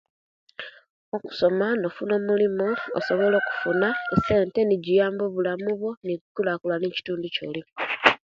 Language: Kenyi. Okusoma nofuna omulimu osowola okufuna essente nejiyamba obulamu bwo nijikulankulania ekitundu colim.